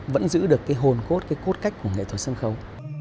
cũng giữ được cái hồn khốt cái cốt cách của nghệ thuật sân khấu